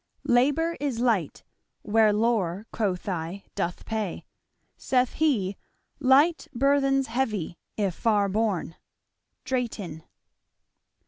Labour is light, where lore (quoth I) doth pay; (Saith he) light burthens heavy, if far borne. Drayton.